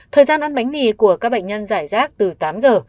thời gian ăn bánh mì của các bệnh nhân giải rác từ tám giờ